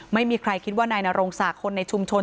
ไม่มีใครคิดว่านายนรงศักดิ์คนในชุมชน